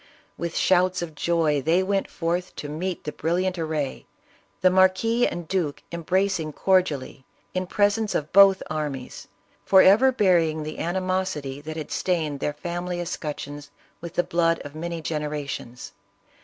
"With shouts of joy they went forth to meet the brilliant array, the marquis and duke embracing cordially, in presence of both armies, forever burying the animosity that had stained their family escutcheons with the blood of many generations.